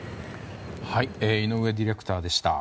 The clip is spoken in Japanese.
井上ディレクターでした。